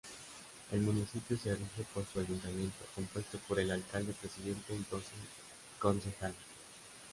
El municipio se rige por su ayuntamiento, compuesto por el alcalde-presidente y doce concejales.